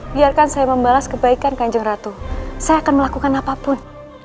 biarkan saya membalas kebaikan kanjeng ratu saya akan melakukan apapun